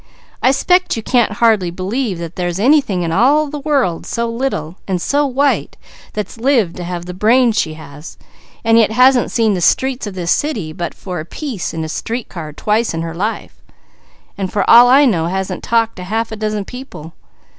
I 'spect you can't hardly believe that there's anything in all the world so small, and so white, that's lived to have the brains she has, and yet hasn't seen the streets of this city but for a short ride on a street car twice in her life, and hasn't talked to half a dozen people.